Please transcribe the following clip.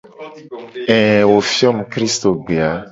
Ee wo fio mu kristogbe a.